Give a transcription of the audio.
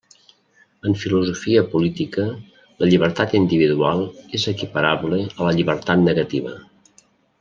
En filosofia política, la llibertat individual és equiparable a la llibertat negativa.